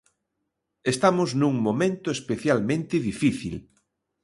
Estamos nun momento especialmente difícil.